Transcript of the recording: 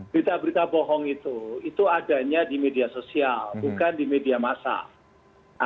berita berita bohong itu itu adanya di media sosial bukan di media masa